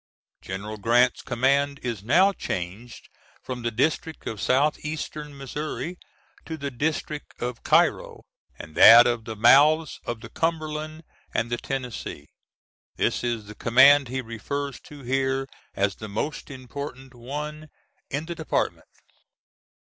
General Grant's command is now changed from the District of Southeastern Missouri to the District of Cairo and that of the mouths of the Cumberland and the Tennessee. This is the command he refers to here as the most important one in the department.